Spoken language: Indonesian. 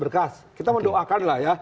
berkas kita mendoakan lah ya